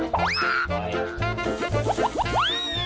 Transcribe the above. โดยอย่าบาลกะสินะ